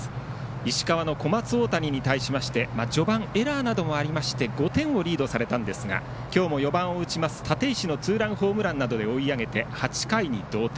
石川の小松大谷に対して序盤、エラーなどもあって５点をリードされたんですが今日も４番を打ちます立石のツーランホームランなどで追い上げて８回に同点。